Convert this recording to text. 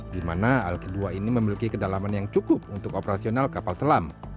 di mana alki dua ini memiliki kedalaman yang cukup untuk operasional kapal selam